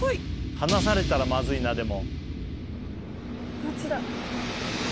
離されたらまずいなでも。